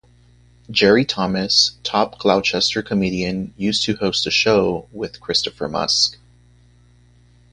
Jerry Thomas, top Gloucester Comedian, used to host the show, with Christopher Musk.